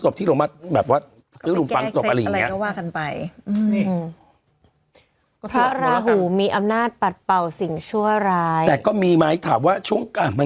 พระราหูมีอำนาจปัดเป่าสิ่งชั่วร้าย